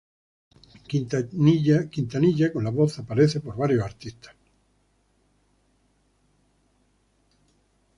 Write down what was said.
Quintanilla con la voz aparece por varios artistas.